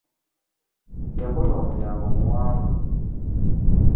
Yakola omulyango omuwanvu.